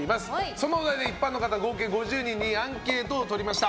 そのお題で一般の方合計５０人にアンケートをとりました。